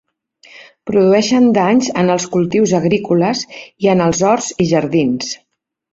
Produeixen danys en els cultius agrícoles, i en els horts i jardins.